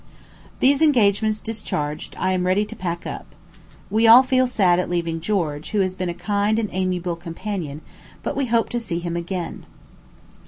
These engagements discharged, and I am ready to pack up. We all feel sad at leaving George, who has been a kind and amiable companion; but we hope soon to see him again.